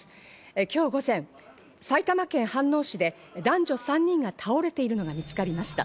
今日午前、埼玉県飯能市で男女３人が倒れているのが見つかりました。